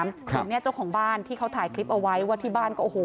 ถึงเนี่ยเจ้าของบ้านที่เขาถ่ายคลิปเอาไว้ว่าที่บ้านก็โอ้โห